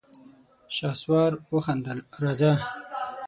شهسوار وخندل: راځه!